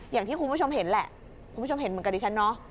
อย่างที่คุณผู้ชมเห็นแหละคุณผู้ชมเห็นเหมือนกับดิฉันเนาะ